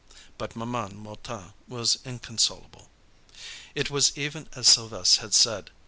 But Ma'am Mouton was inconsolable. It was even as Sylves' had said.